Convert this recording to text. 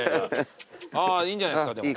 あぁいいんじゃないですかでも。